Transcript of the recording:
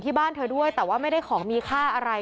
บ้านเธอด้วยแต่ว่าไม่ได้ของมีค่าอะไร